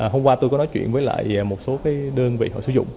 hôm qua tôi có nói chuyện với lại một số đơn vị họ sử dụng